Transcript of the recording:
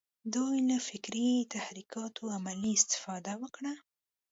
دوی له فکري تحرکاتو عملي استفاده وکړه.